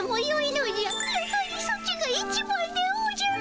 やはりソチがいちばんでおじゃる。